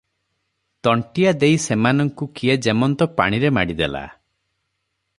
ତଣ୍ଟିଆ ଦେଇ ସେମାନଙ୍କୁ କିଏ ଯେମନ୍ତ ପାଣିରେ ମାଡ଼ିଦେଲା ।